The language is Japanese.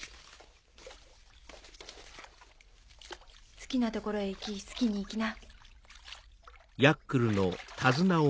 好きな所へ行き好きに生きな。